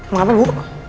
mau apa bu